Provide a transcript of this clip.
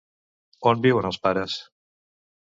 On viuen els pares?